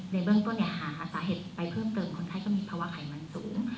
ในเบื้องต้นหาสาเหตุไปเพิ่มเติมคนไข้ก็มีภาวะไขมันสูง